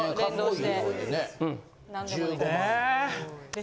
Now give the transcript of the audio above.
え！